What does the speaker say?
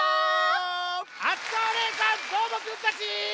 あつこおねえさんどーもくんたち。